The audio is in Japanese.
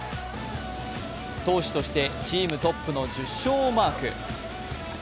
投手としてチームトップの１０勝をマーク。